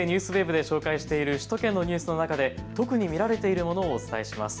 ＮＨＫＮＥＷＳＷＥＢで紹介している首都圏のニュースの中で特に見られているものをお伝えします。